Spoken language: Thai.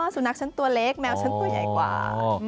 สุนัขฉันตัวเล็กแมวฉันตัวใหญ่กว่า